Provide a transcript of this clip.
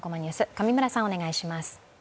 上村さん、お願いします。